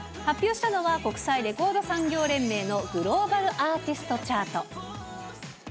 発表したのは、国際レコード産業連盟のグローバルアーティストチャート。